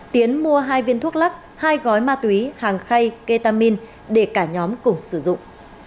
tiến mua hai viên thuốc lắc hai gói ma túy hàng khay ketamin để cả nhóm cùng sử dụng